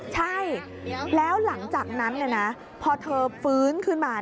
ใช่แล้วหลังจากนั้นพอเธอฟื้นขึ้นมา